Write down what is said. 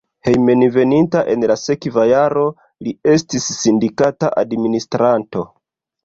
Hejmenveninta en la sekva jaro li estis sindikata administranto.